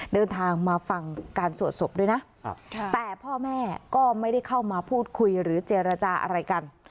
เดินทางมาฟังการสวดศพด้วยนะแต่พ่อแม่ก็ไม่ได้เข้ามาพูดคุยหรือเจรจาอะไรกัน